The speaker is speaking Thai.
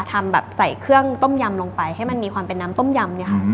ทำแบบใส่เครื่องต้มยำลงไปให้มันมีความเป็นน้ำต้มยำเนี่ยค่ะ